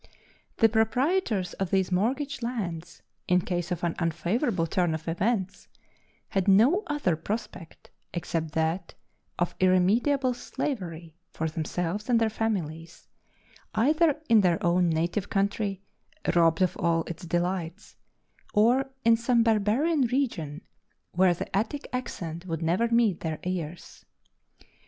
The proprietors of these mortgaged lands, in case of an unfavorable turn of events, had no other prospect except that of irremediable slavery for themselves and their families, either in their own native country robbed of all its delights, or in some barbarian region where the Attic accent would never meet their ears.